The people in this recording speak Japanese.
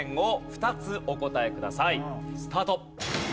スタート。